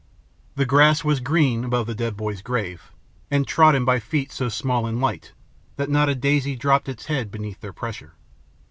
The grass was green above the dead boy's grave, and trodden by feet so small and light, that not a daisy drooped its head beneath their pressure.